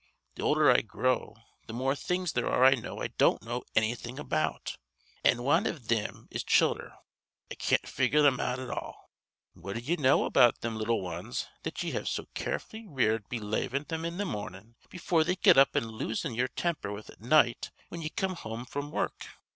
Th' older I grow th' more things there are I know I don't know annything about. An' wan iv thim is childher. I can't figure thim out at all. "What d'ye know about thim little wans that ye have so carefully reared be lavin' thim in th' mornin' befure they got up an' losin' ye'er temper with at night whin ye come home fr'm wurruk?